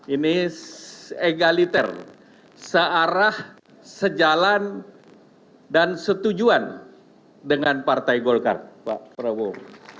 ini egaliter searah sejalan dan setujuan dengan partai golkar pak prabowo